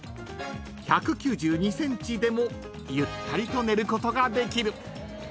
［１９２ｃｍでもゆったりと寝ることができる］